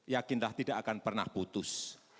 yakinlah tidak akan pernah putus